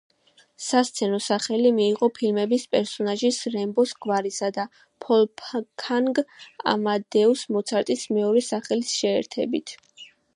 სასცენო სახელი მიიღო ფილმების პერსონაჟის რემბოს გვარისა და ვოლფგანგ ამადეუს მოცარტის მეორე სახელის შეერთებით.